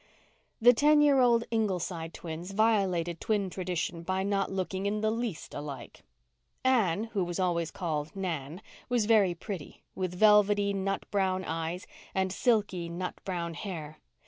The ten year old Ingleside twins violated twin tradition by not looking in the least alike. Anne, who was always called Nan, was very pretty, with velvety nut brown eyes and silky nut brown hair.